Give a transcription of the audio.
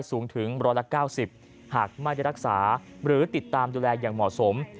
สูงถึง๑๙๐หากไม่ได้รักษาหรือติดตามดูแลอย่างเหมาะสม